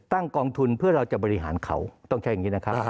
กองทุนเพื่อเราจะบริหารเขาต้องใช้อย่างนี้นะครับ